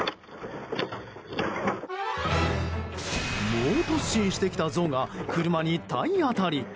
猛突進してきたゾウが車に体当たり。